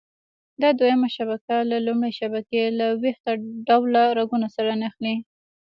دا دویمه شبکه له لومړۍ شبکې له ویښته ډوله رګونو سره نښلي.